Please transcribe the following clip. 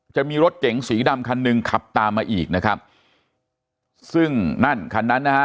จะมีรถเก๋งสีดำคันหนึ่งขับตามมาอีกนะครับซึ่งนั่นคันนั้นนะฮะ